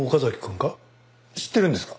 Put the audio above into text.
知ってるんですか？